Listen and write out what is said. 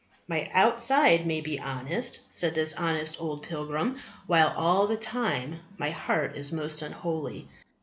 "My outside may be honest," said this honest old pilgrim, "while all the time my heart is most unholy.